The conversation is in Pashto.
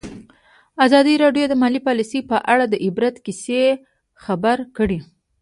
ازادي راډیو د مالي پالیسي په اړه د عبرت کیسې خبر کړي.